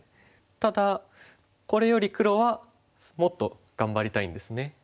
ただこれより黒はもっと頑張りたいんですね。